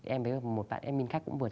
em với một bạn em minh khách cũng vừa